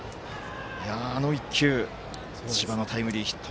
あの１球千葉のタイムリーヒット。